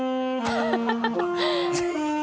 ハハハ